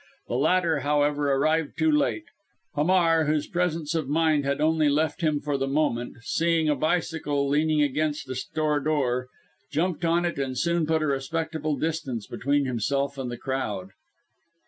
The latter, however, arrived too late. Hamar, whose presence of mind had only left him for the moment seeing a bicycle leaning against a store door, jumped on it and soon put a respectable distance between himself and the crowd.